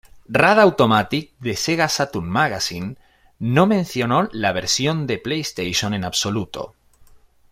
Rad Automatic de "Sega Saturn Magazine" no mencionó la versión de PlayStation en absoluto.